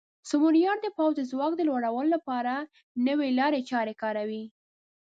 سمونیار د پوځ د ځواک د لوړولو لپاره نوې لارې چارې کاروي.